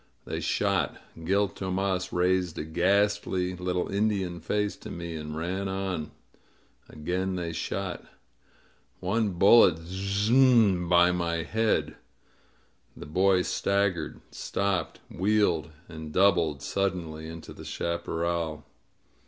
They shot. Gil Tomas raised a ghastly little Indian face to me, 88 MEESTER'S FLIGHT and ran on. Again they shot. One bullet z z z m m d by my head. The boy staggered, stopped, wheeled, and doubled suddenly into the chaparral.